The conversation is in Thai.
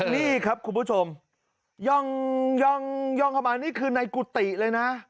นี่ครับคุณผู้ชมย่องเข้ามานี่คือในกุฏิเลยนะ